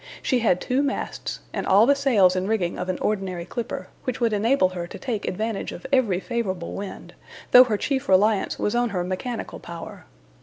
She had two masts and all the sails and rigging of an ordinary clipper, which would enable her to take advantage of every favorable wind, though her chief reliance was on her mechanical power.